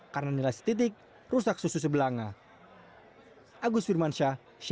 karena nilai setitik rusak susu sebelangnya